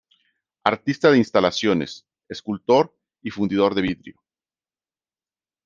Artista de instalaciones, escultor y fundidor de vidrio.